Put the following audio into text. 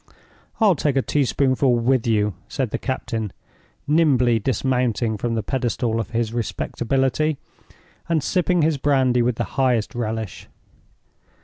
"I'll take a teaspoonful with you," said the captain, nimbly dismounting from the pedestal of his respectability, and sipping his brandy with the highest relish.